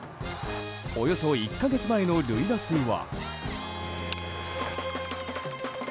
およそ１か月前の塁打数は。